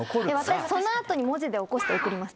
私その後に文字で起こして送ります